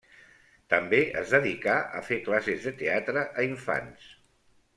També es dedicà a fer classes de teatre a infants.